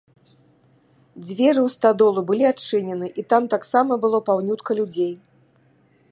Дзверы ў стадолу былі адчынены, і там таксама было паўнютка людзей.